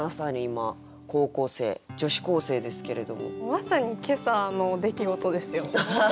まさに今朝の出来事ですよ。